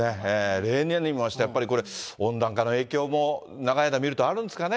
例年にも増して、これ、温暖化の影響も長い間見ると、あるんですかね。